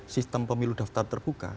sistem pemilu daftar terbuka